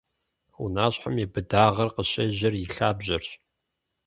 Унащхьэм и быдагъыр къыщежьэр и лъабжьэрщ.